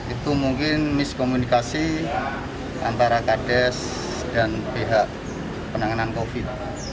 itu mungkin miskomunikasi antara kades dan pihak penanganan covid